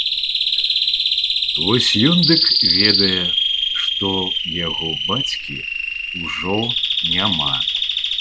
Вось ён дык ведае, што яго бацькі ўжо няма!